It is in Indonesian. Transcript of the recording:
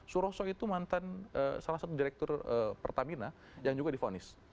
suroso itu mantan salah satu direktur pertamina yang juga difonis